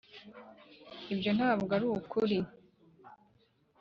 ibyo ntabwo arukuri.